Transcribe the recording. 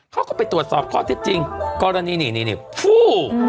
เขาก็ไปตรวจสอบข้อเท็จจริงคอตะนี่นี่นี่นี่ฟู้